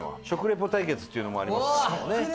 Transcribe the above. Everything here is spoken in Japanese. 食リポ対決っていうのもありますからね。